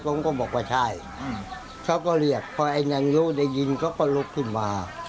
ผมก็บอกว่าใช่เขาก็เรียกพอไอ้นางรู้ได้ยินเขาก็ลุกขึ้นมา